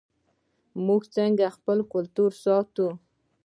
موږ څنګه خپل کلتور ساتو؟